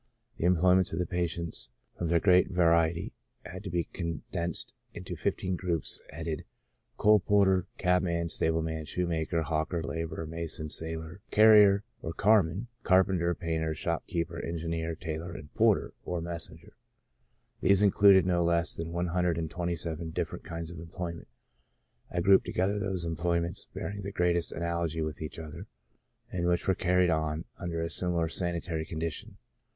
The employments of the patients, from their great variety, had to be condensed into fifteen groups, headed, Coal por ter, Cabman, Stableman, Shoemaker, Hawker, Laborer, Mason, Sailor, Carrier (Carman), Carpenter, Painter, Shopkeeper, Engineer, Tailor, and Porter (Messenger) j these included no less than one hundred and twenty seven diff^erent kinds of employments. I grouped together those employments bearing the greatest analogy with each other, and which were carried on under a similar sanitary condi tion.